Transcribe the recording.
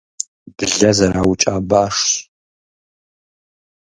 Блэ зэраукӀа башщ.